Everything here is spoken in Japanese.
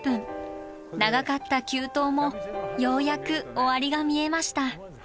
長かった急登もようやく終わりが見えました。